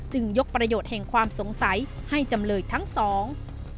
ยกประโยชน์แห่งความสงสัยให้จำเลยทั้งสอง